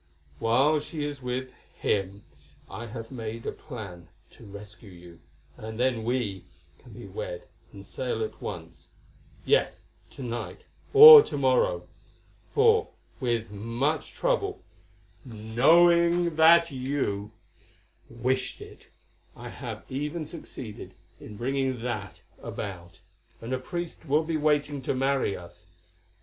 While she is with him I have made a plan to rescue you, and then we can be wed and sail at once—yes, to night or to morrow, for with much trouble, knowing that you wished it, I have even succeeded in bringing that about, and a priest will be waiting to marry us.